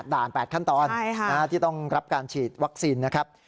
ด่าน๘ขั้นตอนที่ต้องรับการฉีดวัคซีนนะครับ